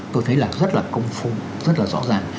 tôi thấy là rất là công phu rất là rõ ràng